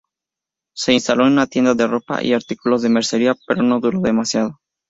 Se instaló una tienda de ropa y artículos de mercería, pero no duró demasiado.